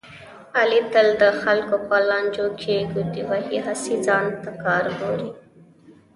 علي تل د خلکو په لانجو کې ګوتې وهي، هسې ځان ته کار ګوري.